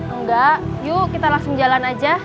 enggak yuk kita langsung jalan aja